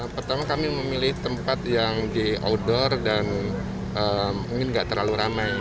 pertama kami memilih tempat yang di outdoor dan mungkin nggak terlalu ramai